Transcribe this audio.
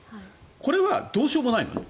これはどうしようもないのね。